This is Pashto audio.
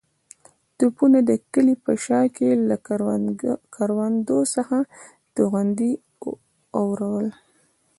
توپونو د کلي په شا کې له کروندو څخه توغندي اورول.